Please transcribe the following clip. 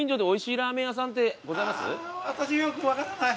私よく分からない。